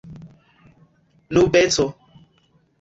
nubeco